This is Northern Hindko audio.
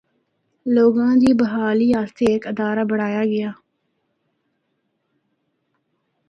لوگاں دی بحالی اسطے ہک ادارہ بنڑایا گیا۔